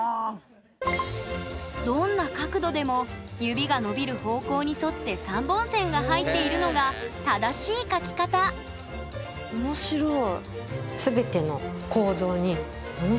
どんな角度でも指が伸びる方向に反って３本線が入っているのが正しい描き方そう。